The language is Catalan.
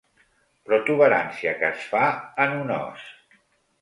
Protuberància que es fa en un os.